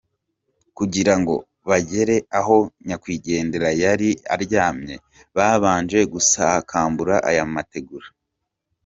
Kugira ngo bagere aho nyakwigendera yari aryamye, babanje gusakambura aya mategura.